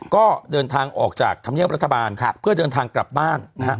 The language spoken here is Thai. ก็เดินทางออกจากธรรมเนียบรัฐบาลเพื่อเดินทางกลับบ้านนะฮะ